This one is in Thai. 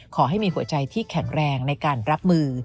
ขอให้มีหัวใจที่แข็งแรงในการรับมือ